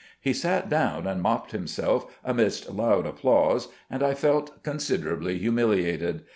He sat down and mopped himself amidst loud applause, and I felt considerably humiliated.